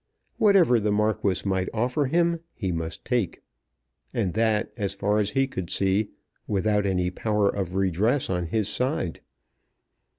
Whatever the Marquis might offer him he must take; and that, as far as he could see, without any power of redress on his side.